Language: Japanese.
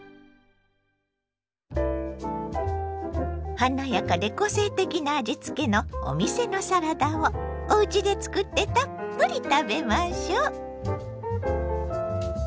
華やかで個性的な味つけのお店のサラダをおうちでつくってたっぷり食べましょ！